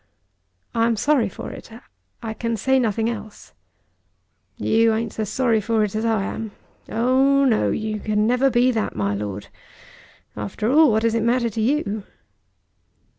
"I am sorry for it. I can say nothing else." "You ain't so sorry for it as I am. Oh no; you can never be that, my Lord. After all, what does it matter to you?"